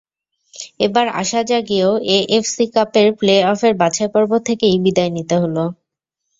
এবার আশা জাগিয়েও এএফসি কাপের প্লে-অফের বাছাইপর্ব থেকেই বিদায় নিতে হলো।